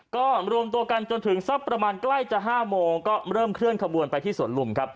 ก็รวมตัวกันจนถึงสักประมาณใกล้จะ๕โมงก็เริ่มเคลื่อนขบวนไปที่สวนลุมครับ